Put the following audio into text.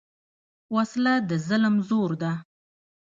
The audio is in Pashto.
وسله د ظلم زور ده